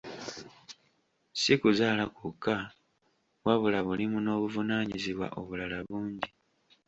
Si kuzaala kwokka, wabula mulimu n'obuvunaaanyizibwa obulala bungi.